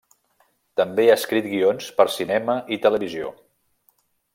També ha escrit guions per cinema i televisió.